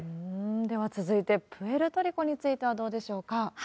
では続いて、プエルトリコについてはどうでしょうか。